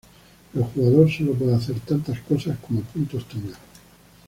El jugador sólo puede hacer tantas cosas como puntos tenga.